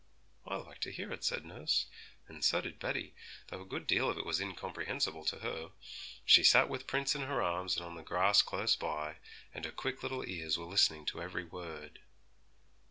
'I like to hear it,' said nurse; and so did Betty, though a good deal of it was incomprehensible to her. She sat with Prince in her arms on the grass close by, and her quick little ears were listening to every word.